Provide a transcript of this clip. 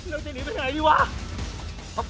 เห้ยเราจะหนีไปไหนดีวะ